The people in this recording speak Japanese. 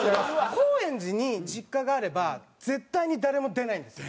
高円寺に実家があれば絶対に誰も出ないんですよ。